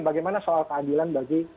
bagaimana soal keadilan bagi